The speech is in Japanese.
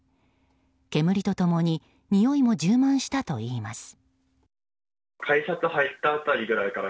煙と共ににおいも充満したといいます。